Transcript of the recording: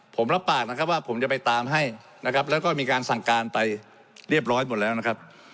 ผมรับปากนะครับว่าผมจะไปตามให้นะครับแล้วก็มีการสั่งการไปเรียบร้อยหมดแล้วนะครับ